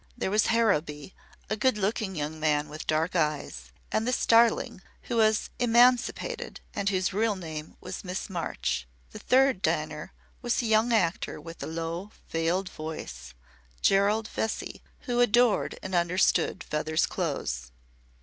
There was Harrowby, a good looking young man with dark eyes, and the Starling who was "emancipated" and whose real name was Miss March. The third diner was a young actor with a low, veiled voice Gerald Vesey who adored and understood Feather's clothes.